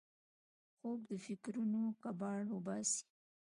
خوب د فکرونو کباړ وباسي